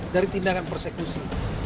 dari tindakan persekusi